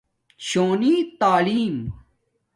شونی تعلم